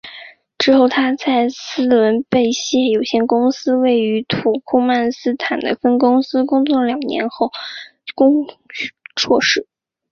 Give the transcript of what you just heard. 之后她在斯伦贝谢有限公司位于土库曼斯坦的分公司工作了两年后选攻硕士。